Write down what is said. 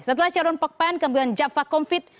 setelah carun pokpen kemudian jaffa confit